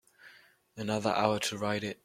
Another hour to write it.